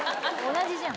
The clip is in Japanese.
同じじゃん。